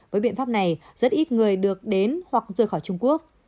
với biện pháp này rất ít người được đến hoặc rời khỏi trung quốc